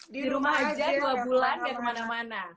di rumah aja dua bulan gak kemana mana